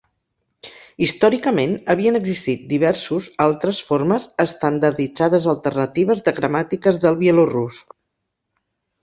Històricament, havien existit diversos altres formes estandarditzades alternatives de gramàtiques del bielorús.